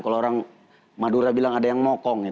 kalau orang madura bilang ada yang mokong